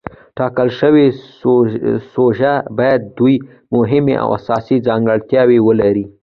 ټاکل شوې سوژه باید دوه مهمې او اساسي ځانګړتیاوې ولري.